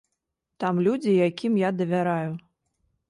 Там людзі, якім я давяраю.